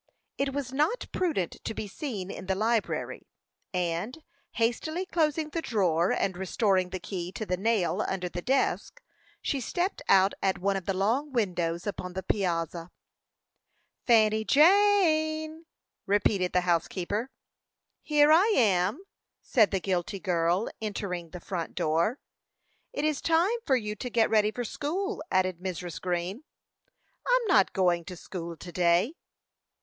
It was not prudent to be seen in the library, and, hastily closing the drawer, and restoring the key to the nail under the desk, she stepped out at one of the long windows upon the piazza. "Fanny Jane!" repeated the housekeeper. "Here I am," said the guilty girl, entering the front door. "It is time for you to get ready for school," added Mrs. Green. "I'm not going to school to day."